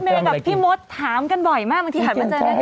กับพี่มดถามกันบ่อยมากบางทีหันมาเจอกัน